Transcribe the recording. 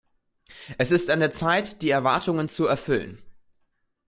Es ist an der Zeit, die Erwartungen zu erfüllen.